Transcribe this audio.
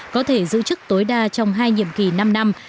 có thể giữ chức tối đa trong hai nhiệm kỳ năm năm